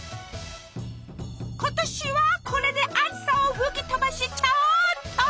今年はこれで暑さを吹き飛ばしちゃおうっと！